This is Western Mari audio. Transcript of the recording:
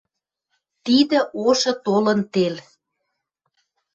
Тидӹ ошы толын тел.